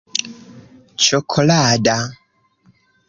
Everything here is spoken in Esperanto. ĉokolada